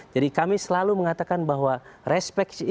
jadi kami selalu mengatakan bahwa respect each other